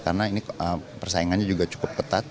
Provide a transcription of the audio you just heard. karena ini persaingannya juga cukup ketat